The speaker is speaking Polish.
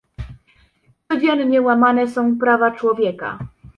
Codziennie łamane są prawa człowieka